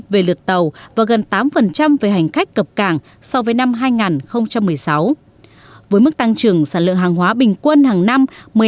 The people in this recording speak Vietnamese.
với mức tăng trưởng sản lượng hàng hóa bình quân hàng năm một mươi hai năm